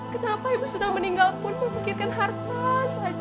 kenapa ibu sudah meninggal pun membuktikan harta saja